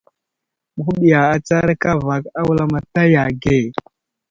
Məhuɓiya atsar kava a wulamataya ge.